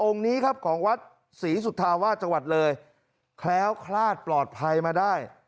นี้ครับของวัดศรีสุธาวาสจังหวัดเลยแคล้วคลาดปลอดภัยมาได้